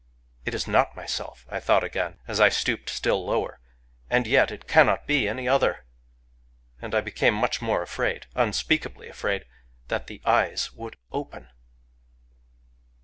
...* It is not My self,* I thought again, as I stooped still lower, — *and yet, it cannot be any other!* And I became much more afi^d, unspeakably afi^d, that the eyes would open.